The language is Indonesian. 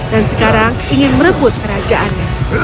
dan sekarang ingin merebut kerajaannya